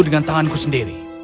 dengan tanganku sendiri